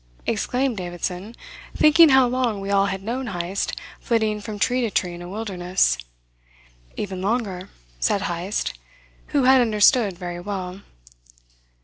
exclaimed Davidson, thinking how long we all had known Heyst flitting from tree to tree in a wilderness. "Even longer," said Heyst, who had understood very well.